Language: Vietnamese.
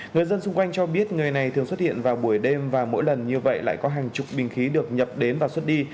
người dân xung quanh cho biết người này thường xuất hiện vào buổi đêm và mỗi lần như vậy lại có hàng chục bình khí được nhập đến và xuất đi